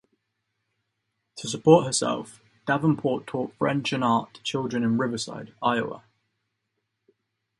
To support herself, Davenport taught French and art to children in Riverside, Iowa.